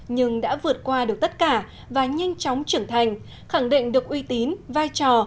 nhưng đã vượt qua được tất cả và nhanh chóng trưởng thành khẳng định được uy tín vai trò